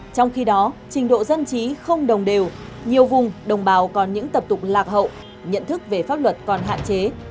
trong khi đó trình độ dân trí không đồng đều nhiều vùng đồng bào còn những tập tục lạc hậu nhận thức về pháp luật còn hạn chế